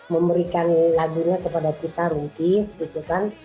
memberikan lagunya kepada kita room peace gitu kan